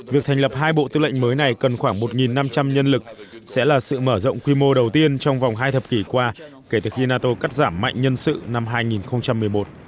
việc thành lập hai bộ tư lệnh mới này cần khoảng một năm trăm linh nhân lực sẽ là sự mở rộng quy mô đầu tiên trong vòng hai thập kỷ qua kể từ khi nato cắt giảm mạnh nhân sự năm hai nghìn một mươi một